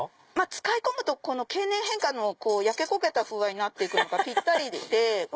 使い込むと経年変化の焼け焦げた風合いになるのがぴったりで。